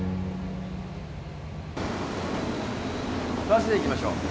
バスで行きましょう。